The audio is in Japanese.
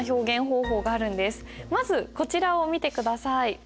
まずこちらを見て下さい。